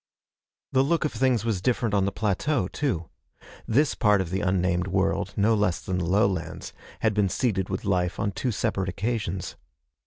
The look of things was different on the plateau, too. This part of the unnamed world, no less than the lowlands, had been seeded with life on two separate occasions.